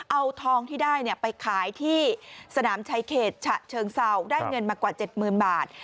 เอาทองที่ได้ไปขายที่สนามชายเขตฉะเชิงเศร้าได้เงินมากว่า๗๐๐๐บาท